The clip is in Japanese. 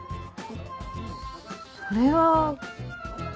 それは。